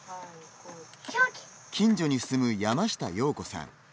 近所に住む山下洋子さん。